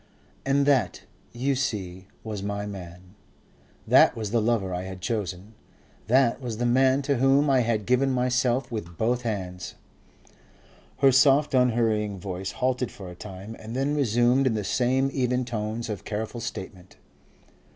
And that, you see, was my man. That was the lover I had chosen. That was the man to whom I had given myself with both hands." Her soft unhurrying voice halted for a time, and then resumed in the same even tones of careful statement.